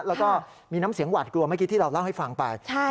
แล้วก็มีน้ำเสียงหวาดกลัวเมื่อกี้ที่เราเล่าให้ฟังไป